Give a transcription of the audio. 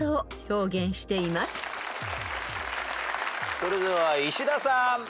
それでは石田さん。